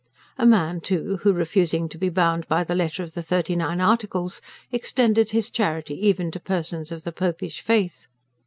A man, too, who, refusing to be bound by the letter of the Thirty nine Articles, extended his charity even to persons of the Popish faith.